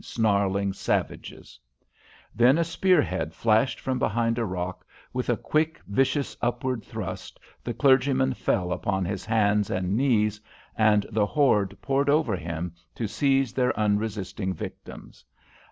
[Illustration: He struck at the snarling savages p 94] Then a spear head flashed from behind a rock with a quick, vicious upward thrust, the clergyman fell upon his hands and knees, and the horde poured over him to seize their unresisting victims.